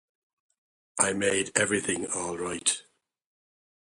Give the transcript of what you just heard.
I made everything all right.